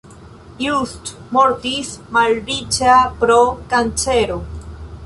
Just mortis malriĉa pro kancero.